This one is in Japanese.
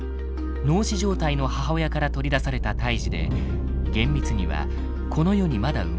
脳死状態の母親から取り出された胎児で厳密にはこの世にまだ生まれていない。